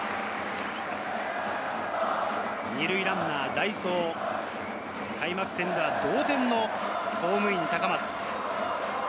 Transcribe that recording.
２塁ランナー代走、開幕戦では同点のホームイン、高松。